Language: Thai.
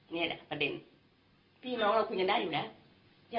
นี่แหละประเด็นพี่น้องเราคุยกันได้อยู่แล้ว